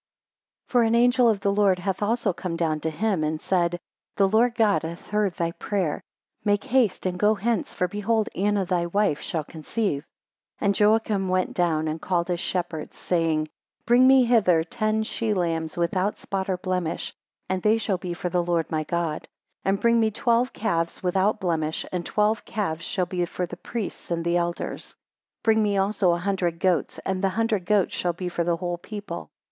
4 For an angel of the Lord hath also come down to him, and said, The Lord God hath heard thy prayer, make haste and go hence, for behold Anna thy wife shall conceive. 5 And Joachim went down and called his shepherds, saying, Bring me hither ten she lambs without spot or blemish, and they shall be for the Lord my God. 6 And bring me twelve calves without blemish, and the twelve calves shall be for the priests and the elders. 7 Bring me also a hundred goats, and the hundred goats shall be for the whole people.